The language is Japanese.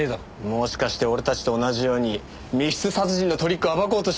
もしかして俺たちと同じように密室殺人のトリックを暴こうとしちゃってる？